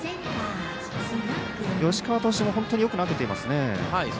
吉川投手も、本当によく投げていますね。